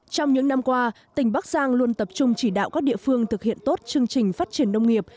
trong những năm qua tỉnh bắc giang luôn tập trung chỉ đạo các địa phương thực hiện tốt chương trình phát triển nông nghiệp